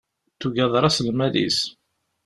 Tuga d raṣ-lmal-is.